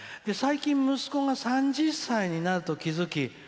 最近、息子が３０歳になると気付き」。